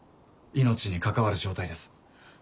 命に関わる状態です。